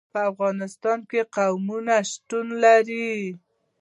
په افغانستان کې قومونه شتون لري.